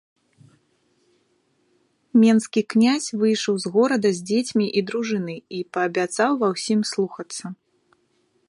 Менскі князь выйшаў з горада з дзецьмі і дружынай і паабяцаў ва ўсім слухацца.